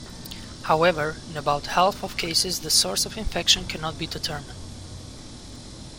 However, in about half of cases the source of infection cannot be determined.